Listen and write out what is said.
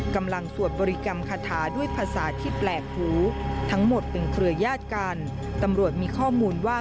สวดบริกรรมคาถาด้วยภาษาที่แปลกหูทั้งหมดเป็นเครือญาติกันตำรวจมีข้อมูลว่า